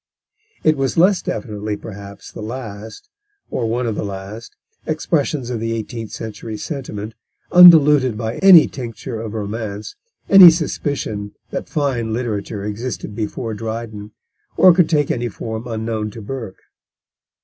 It was less definitely, perhaps, the last, or one of the last, expressions of the eighteenth century sentiment, undiluted by any tincture of romance, any suspicion that fine literature existed before Dryden, or could take any form unknown to Burke.